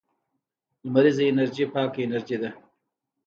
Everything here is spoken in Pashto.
لمریزه انرژي پاکه انرژي ده